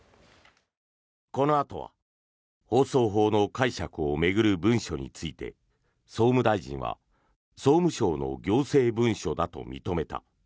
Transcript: このあとは放送法の解釈を巡る文書について総務大臣は総務省の行政文書だと認めた。